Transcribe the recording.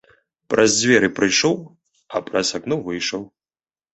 Праз дзверы прыйшоў, а праз акно выйшаў.